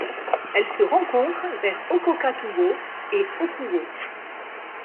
Elle se rencontre vers Okokatuwo et Opuwo.